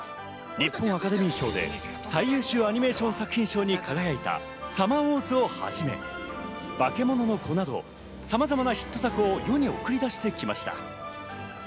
日本アカデミー賞で最優秀アニメーション作品賞に輝いた『サマーウォーズ』をはじめ、『バケモノの子』など、さまざまなヒット作を世に送り出してきました。